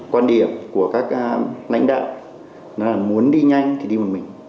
quan điểm của các lãnh đạo là muốn đi nhanh thì đi một mình